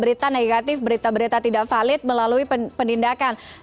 berita berita negatif berita berita tidak valid melalui pendindakan